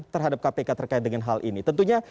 terhadap kpk terkait dengan hal ini tentunya